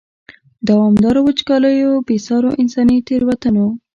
دوامدارو وچکالیو، بې سارو انساني تېروتنو.